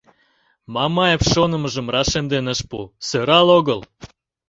— Мамаев шонымыжым рашемден ыш пу: сӧрал огыл.